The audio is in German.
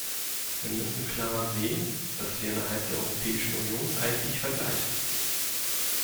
Wir müssen klar sehen, was wir innerhalb der Europäischen Union eigentlich vergleichen.